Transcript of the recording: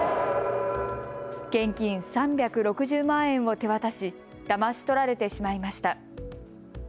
現金３６０万円を手渡しだまし取られてしまいました。